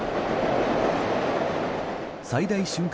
最大瞬間